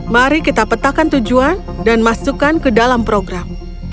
mari kita petakan tujuan dan masukkan ke dalam program